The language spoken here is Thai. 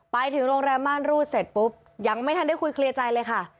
ไปถึงโรงแรมม่านรูดเสร็จปุ๊บยังไม่ทันได้คุยเคลียร์ใจเลยค่ะ